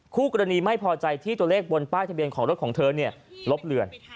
คู่กรณีไม่พอใจที่ตัวเลขบนป้ายทะเบียนของรถของเธอลบเลือน